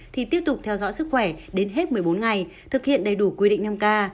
thì tiếp tục theo dõi sức khỏe đến hết một mươi bốn ngày thực hiện đầy đủ quy định năm k